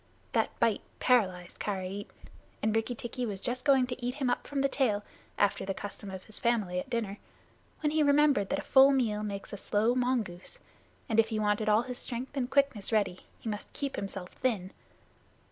That bite paralyzed Karait, and Rikki tikki was just going to eat him up from the tail, after the custom of his family at dinner, when he remembered that a full meal makes a slow mongoose, and if he wanted all his strength and quickness ready, he must keep himself thin.